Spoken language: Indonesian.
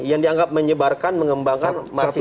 yang dianggap menyebarkan mengembangkan